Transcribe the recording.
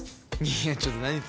いやちょっと何言って。